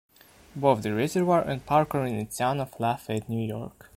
Both the reservoir and park are in the town of LaFayette, New York.